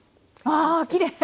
わきれい！